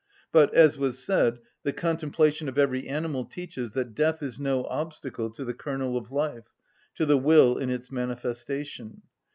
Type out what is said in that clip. But, as was said, the contemplation of every animal teaches that death is no obstacle to the kernel of life, to the will in its manifestation.